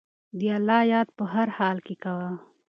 د الله یاد په هر حال کې کوه.